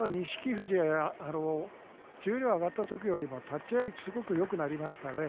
富士は十両に上がった時よりも立ち合いすごくよくなりましたね。